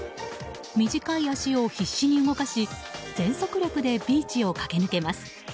短い脚を必死に動かし全速力でビーチを駆け抜けます。